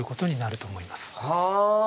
はあ！